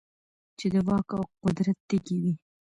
چـې د واک او قـدرت تـېږي وي .